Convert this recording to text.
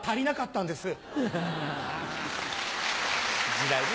時代ね。